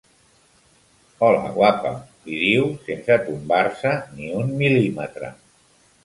Hola, guapa —li diu sense tombar-se ni un mil·límetre—.